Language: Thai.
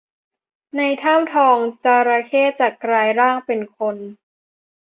ในถ้ำทองจระเข้ จะกลายร่างเป็นคนได้